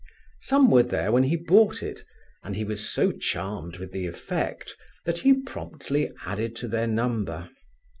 Some were there when he bought it, and he was so charmed with the effect that he promptly added to their number.